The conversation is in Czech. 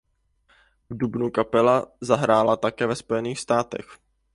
V dubnu kapela zahrála také ve Spojených státech.